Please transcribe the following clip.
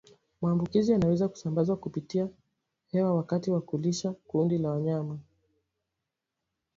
Maambukizi yanaweza kusambazwa kupitia hewani wakati wa kulisha kundi la wanyama